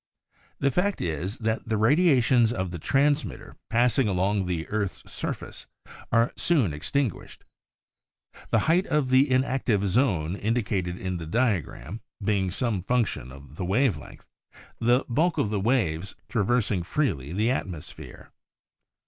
The fact is that the radiations of the transmitter passing along the earth's surface are soon extinguished, the height, of. the inactive zone indicated in the diagram, being some function of the wave length, the bulk of the waves travers ing freely the atmosphere.